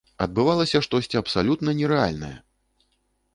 Адбывалася штосьці абсалютна нерэальнае!